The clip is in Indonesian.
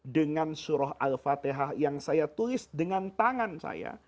dengan surah al fatihah yang saya tulis dengan tangan saya